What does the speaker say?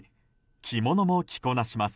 着物も着こなします。